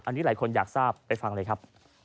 อันนี้หลายคนอยากทราบไปฟังเลยครับ